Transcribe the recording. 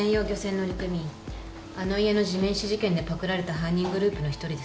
あの家の地面師事件でパクられた犯人グループの一人です。